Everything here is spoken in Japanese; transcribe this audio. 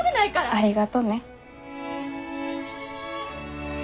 ありがとね。